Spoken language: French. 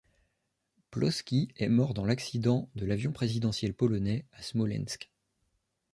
Płoski est mort dans l'accident de l'avion présidentiel polonais à Smolensk.